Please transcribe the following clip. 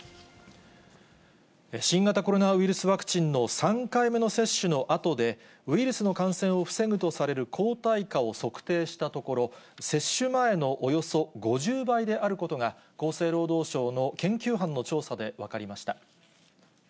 新型コロナウイルスワクチンの３回目の接種のあとで、ウイルスの感染を防ぐとされる抗体価を測定したところ、接種前のおよそ５０倍であることが、厚生労働省の研究班の調査で分かりました。